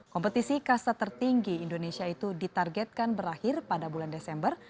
kompetisi kasta tertinggi indonesia itu ditargetkan berakhir pada bulan desember